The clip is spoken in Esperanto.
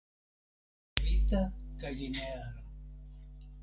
La molekulo estas saturita kaj lineara.